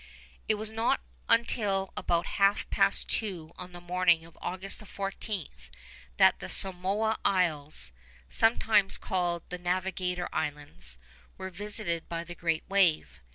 It was not until about half past two on the morning of August 14, that the Samoa Isles (sometimes called the Navigator Islands) were visited by the great wave.